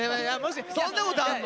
そんなことあんの？